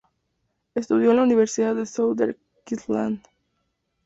Estudió en la Universidad de Southern Queensland.